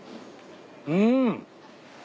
うん。